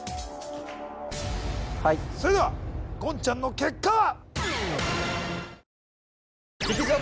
はいそれでは言ちゃんの結果は？